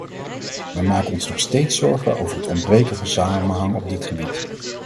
Wij maken ons nog steeds zorgen over het ontbreken van samenhang op dit gebied.